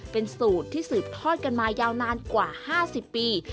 เป็นสูตรที่สืบทอดกันมายาวนานกว่า๕๐ปี